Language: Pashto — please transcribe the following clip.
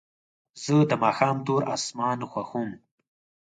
زه د ماښام تور اسمان خوښوم.